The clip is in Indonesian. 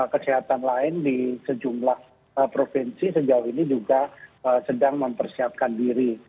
kesehatan lain di sejumlah provinsi sejauh ini juga sedang mempersiapkan diri